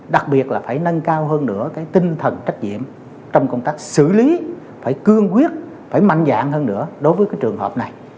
đặc biệt là phải nâng cao hơn nữa cái tinh thần trách nhiệm trong công tác xử lý phải cương quyết phải mạnh dạng hơn nữa đối với cái trường hợp này